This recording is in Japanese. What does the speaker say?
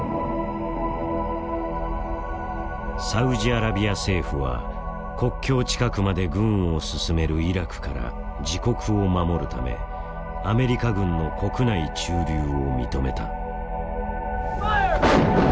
サウジアラビア政府は国境近くまで軍を進めるイラクから自国を守るためアメリカ軍の国内駐留を認めた。